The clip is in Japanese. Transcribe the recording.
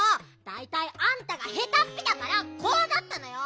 だいたいあんたが下手っぴだからこうなったのよ！